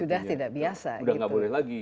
sudah tidak boleh lagi